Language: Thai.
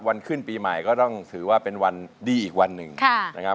ขึ้นปีใหม่ก็ต้องถือว่าเป็นวันดีอีกวันหนึ่งนะครับ